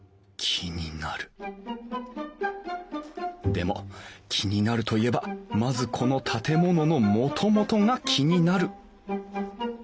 でも気になるといえばまずこの建物のもともとが気になる。